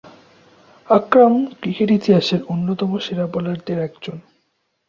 আকরাম cricket ইতিহাসের অন্যতম সেরা বোলারদের একজন।